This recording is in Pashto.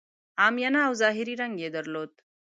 عامیانه او ظاهري رنګ یې درلود.